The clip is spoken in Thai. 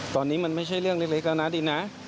ตอนนี้มันไม่ใช่เรื่องเล็กแล้วนะดินนะ